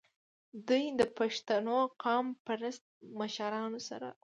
د دوي د پښتنو قام پرست مشرانو سره